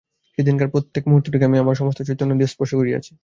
সেদিনকার প্রত্যেক মুহূর্তটিকে আমি আমার সমস্ত চৈতন্য দিয়া স্পর্শ করিয়াছি।